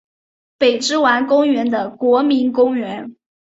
北之丸公园的国民公园。